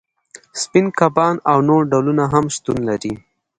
سپین کبان او نور ډولونه هم شتون لري